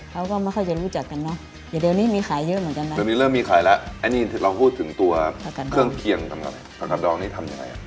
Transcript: เขาก็ไม่ค่อยจะรู้จักกันเนอะเดี๋ยวเดี๋ยวนี้มีขายเยอะเหมือนกันนะเดี๋ยวนี้เริ่มมีขายแล้วอันนี้เราพูดถึงตัวประกันเครื่องเคียงทำกับผักดองนี้ทำยังไงอ่ะ